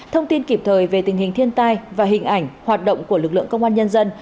thông tin kịp thời về tình hình thiên tai và hình ảnh hoạt động của lực lượng công an nhân dân